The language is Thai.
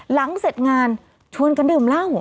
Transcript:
หลังเสร็จงานชวนกันดื่มเหล้า